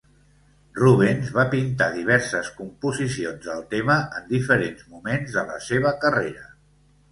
Rubens va pintar diverses composicions del tema en diferents moments de la seva carrera.